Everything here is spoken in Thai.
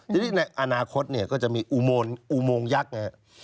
ทีนี้ในอนาคตก็จะมีอุบวงยักษ์นะฮะ